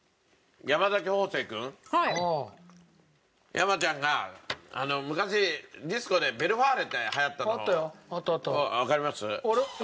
山ちゃんが昔ディスコでｖｅｌｆａｒｒｅって流行ったのわかります？